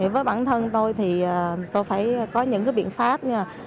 với bản thân tôi thì tôi phải có những cái biện pháp như là